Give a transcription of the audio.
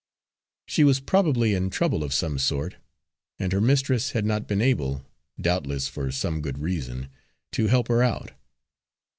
She was probably in trouble of some sort, and her mistress had not been able, doubtless for some good reason, to help her out.